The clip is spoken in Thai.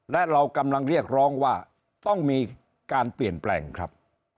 และเรากำลังเรียกร้องว่าต้องมีการเปลี่ยนแปลงครับ